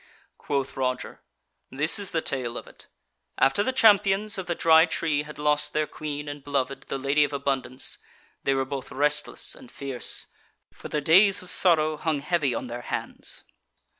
Quoth Roger: "This is the tale of it: After the champions of the Dry Tree had lost their queen and beloved, the Lady of Abundance, they were both restless and fierce, for the days of sorrow hung heavy on their hands.